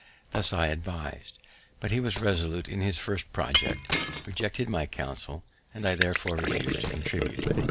This I advis'd; but he was resolute in his first project, rejected my counsel, and I therefore refus'd to contribute.